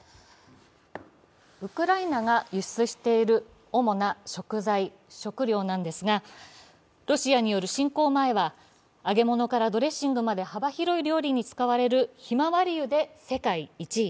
ウクライナが輸出している主な食材、食料なんですが、ロシアによる侵攻前は揚げ物からドレッシングまで幅広い料理に使われるひまわり油で世界１位。